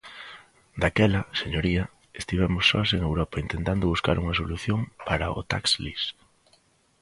Daquela, señoría, estivemos sós en Europa intentando buscar unha solución para o tax lease.